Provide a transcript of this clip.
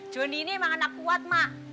joni ini emang anak kuat mak